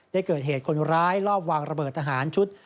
ได้เกิดเหตุคนร้ายรอบวางระเบิดทหารชุด